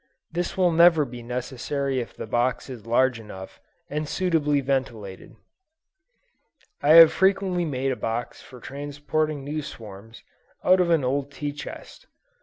This will never be necessary if the box is large enough, and suitably ventilated. I have frequently made a box for transporting new swarms, out of an old tea chest.